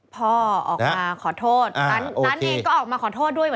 ท่านเองก็ออกมาขอโทษด้วยเหมือนกัน